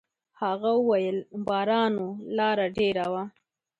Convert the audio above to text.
هغه وويل: «باران و، لاره ډېره وه.»